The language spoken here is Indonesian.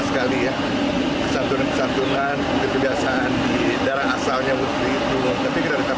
sekali ya kesaturan kesatuan kebebasan di darah asalnya menteri itu tetapi kita dekat